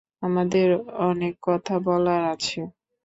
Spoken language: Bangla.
আমাদের অনেক কথা বলার আছে।